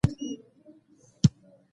زما پلار یو صابر انسان ده